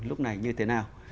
lúc này như thế nào